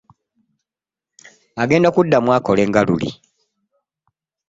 Agenda kuddamu akole nga luli.